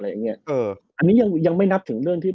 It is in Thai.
อันนี้ยังยังไม่นับถึงเรื่องที่